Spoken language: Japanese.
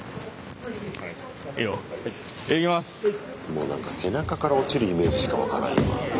もうなんか背中から落ちるイメージしか湧かないよな。